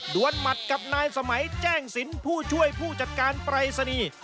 วนหมัดกับนายสมัยแจ้งสินผู้ช่วยผู้จัดการปรายศนีย์